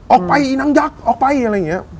ออกไปอีนางยักษ์ออกไป